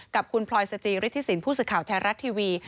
กับคุณพลอยสจิริฐศิลป์ผู้สึกข่าวแท้รัฐทีวี